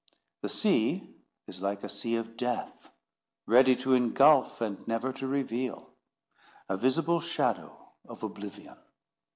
The sea is like a sea of death, ready to ingulf and never to reveal: a visible shadow of oblivion.